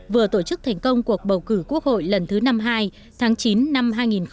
vừa tổ chức thành công cuộc bầu cử quốc hội lần thứ năm hai tháng chín năm hai nghìn một mươi bảy